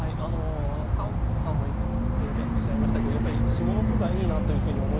カンさんも言ってらっしゃいましたけどやっぱり下の句がいいなというふうに思いました。